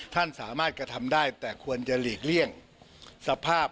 ท่านสามารถกระทำได้แต่ควรจะหลีกเลี่ยงสภาพ